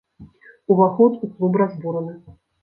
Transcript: Уваход у клуб разбураны.